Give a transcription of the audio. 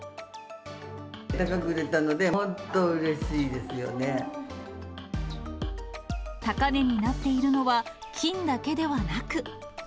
高く売れたので、本当、高値になっているのは、金だけではなく。